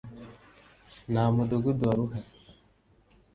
nta mudugudu wari uhari